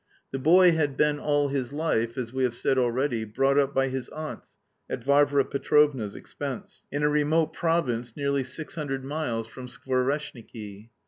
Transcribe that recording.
The boy had been all his life, as we have said already, brought up by his aunts (at Varvara Petrovna's expense) in a remote province, nearly six hundred miles from Skvoreshniki.